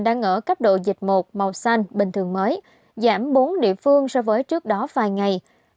đang ở cấp độ dịch một màu xanh bình thường mới giảm bốn địa phương so với trước đó vài ngày